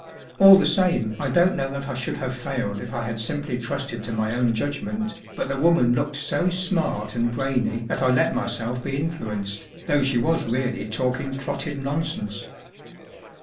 All the same, 1 don't know that I should have failed if I had simply trusted to my own judgment, but the Soman looked so smart and brainy that I let myself be influenced* though she was really talking dotted nonsense."